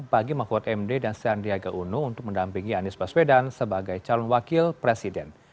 bagi mahfud md dan sandiaga uno untuk mendampingi anies baswedan sebagai calon wakil presiden